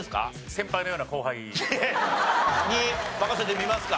先輩のような後輩。に任せてみますか？